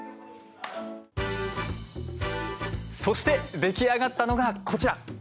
そして、出来上がったのがこちら。